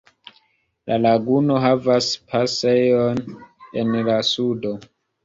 La laguno havas pasejon en la sudo.